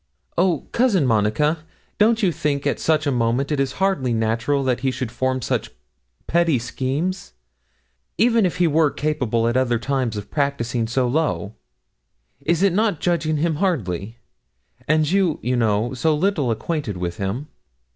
'Oh, Cousin Monica, don't you think at such a moment it is hardly natural that he should form such petty schemes, even were he capable at other times of practising so low? Is it not judging him hardly? and you, you know, so little acquainted with him.'